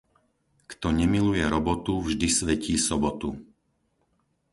Kto nemiluje robotu vždy svätí sobotu.